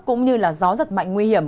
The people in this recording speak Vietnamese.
cũng như là gió rất mạnh nguy hiểm